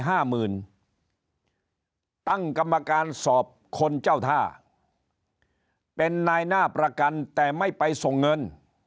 คุณเจ้าท่าเป็นนายหน้าประกันแต่ไม่ไปส่งเงิน